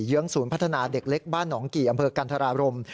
เยื้องศูนย์พัฒนาเด็กเล็กบ้านหนองกี่อำเภอกันธรารม